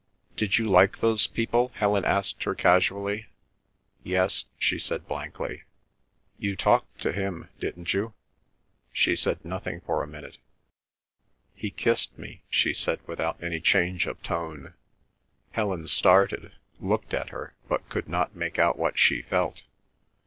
"Did you like those people?" Helen asked her casually. "Yes," she replied blankly. "You talked to him, didn't you?" She said nothing for a minute. "He kissed me," she said without any change of tone. Helen started, looked at her, but could not make out what she felt.